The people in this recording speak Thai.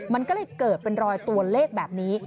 มันก็เลยเกิดเป็นรอยตัวเลขแบบนี้